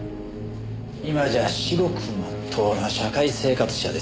今じゃしごくまっとうな社会生活者ですよ。